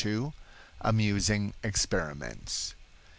AMUSING EXPERIMENTS.